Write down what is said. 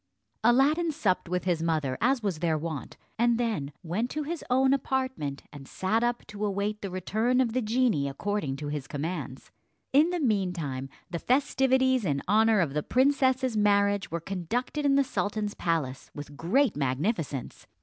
Aladdin supped with his mother as was their wont, and then went to his own apartment, and sat up to await the return of the genie, according to his commands. In the mean time the festivities in honour of the princess's marriage were conducted in the sultan's palace with great magnificence.